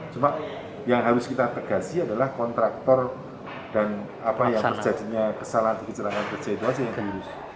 cuma yang harus kita pegasi adalah kontraktor dan apa yang terjadinya kesalahan kecerahan kecederaan yang diurus